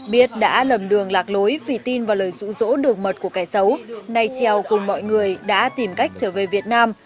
biết đã lầm đường lạc lối vì tin vào lời rũ rỗ được mật của cái xấu nay chieu cùng mọi người đã tìm cách trở về việt nam